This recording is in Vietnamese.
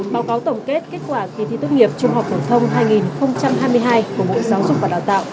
báo cáo tổng kết kết quả kỳ thi tốt nghiệp trung học phổ thông hai nghìn hai mươi hai của bộ giáo dục và đào tạo